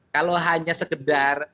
kalau hanya sekedar